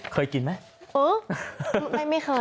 เคยกินไหมไม่เคยค่ะ